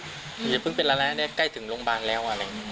หนูอย่าเพิ่งเป็นอะไรใกล้ถึงโรงพยาบาลแล้ว